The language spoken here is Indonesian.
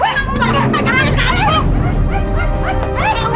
bikin pangeran kak ibu